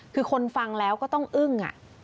คือคนฟังแล้วก็ต้องอึ้ง